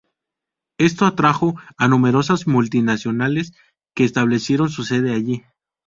Esto atrajo a numerosas multinacionales que establecieron su sede allí.